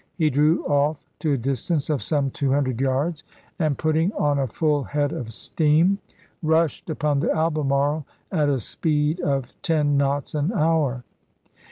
He drew off to a distance of some 200 yards, Report, and putting on a full head of steam rushed upon M Report64 the Albemarle at a speed of ten knots an hour.